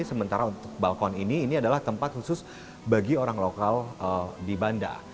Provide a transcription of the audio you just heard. sementara untuk balkon ini ini adalah tempat khusus bagi orang lokal di banda